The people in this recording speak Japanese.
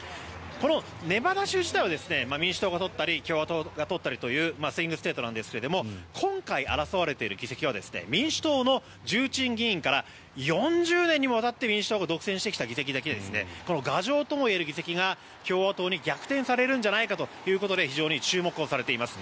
このネバダ州自体は民主党が取ったり共和党が取ったりというスイングステートなんですが今回争われている議席は民主党の重鎮議員から４０年にもわたって民主党が独占してきた議席というだけあって牙城ともいえる議席が共和党に逆転されるんじゃないかということで非常に注目されています。